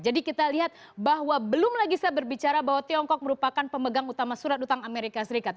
jadi kita lihat bahwa belum lagi saya berbicara bahwa tiongkok merupakan pemegang utama surat utang amerika serikat